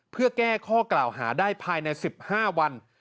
เพื่อแก้ข้อกล่าวหาได้ภายใน๑๕วัน